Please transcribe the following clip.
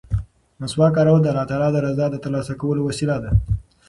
مسواک کارول د الله تعالی د رضا د ترلاسه کولو وسیله ده.